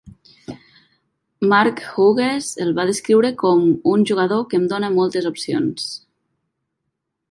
Mark Hughes el va descriure com... un jugador que em dona moltes opcions.